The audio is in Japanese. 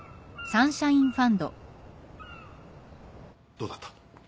どうだった？